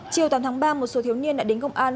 chiều tám tháng ba một số thiếu niên đã đến công an